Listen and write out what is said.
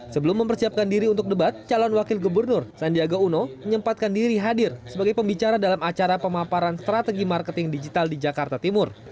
sebelum mempersiapkan diri untuk debat calon wakil gubernur sandiaga uno menyempatkan diri hadir sebagai pembicara dalam acara pemaparan strategi marketing digital di jakarta timur